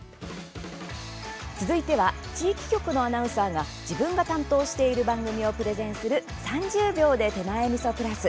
続いては地域局のアナウンサーが自分が担当している番組をプレゼンする「３０秒で手前みそプラス」。